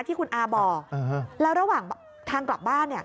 ที่คุณอาบอกแล้วระหว่างทางกลับบ้าน